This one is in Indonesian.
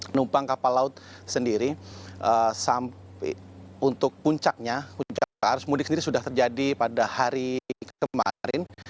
penumpang kapal laut sendiri untuk puncaknya puncak arus mudik sendiri sudah terjadi pada hari kemarin